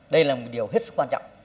đây là một điều hết sức quan trọng